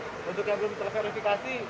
untuk yang belum terverifikasi